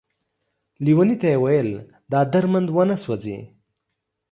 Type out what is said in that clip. ليوني ته يې ويل دا درمند ونه سوځې ،